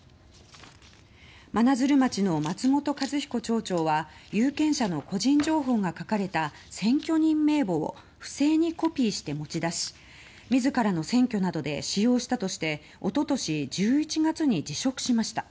真鶴町の松本一彦町長は有権者の個人情報が書かれた選挙人名簿を不正にコピーして持ち出し自らの選挙などで使用したとしておととし１１月に辞職しました。